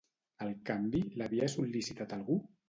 El canvi l'havia sol·licitat algú?